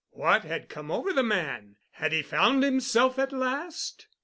What had come over the man? Had he found himself at last?